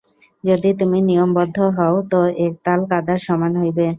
যদি তুমি নিয়মবদ্ধ হও তো এক তাল কাদার সমান হইবে।